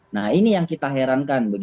nah ini yang kita herankan